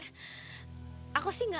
aku sih gak kenal sama orangnya